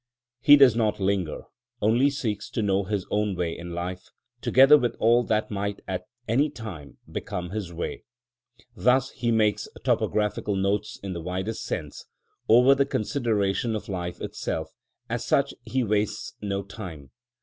He does not linger; only seeks to know his own way in life, together with all that might at any time become his way. Thus he makes topographical notes in the widest sense; over the consideration of life itself as such he wastes no time.